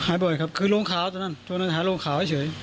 หายบ่อยครับคือลงขาวตรงนั้นตรงนั้นหายลงขาวเฉยเฉย